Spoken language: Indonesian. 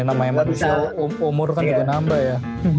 namanya manusia umur kan juga nambah ya